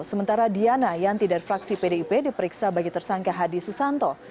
sementara diana yanti dari fraksi pdip diperiksa bagi tersangka hadi susanto